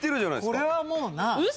これはもうな。